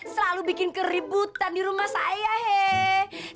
selalu bikin keributan di rumah saya hei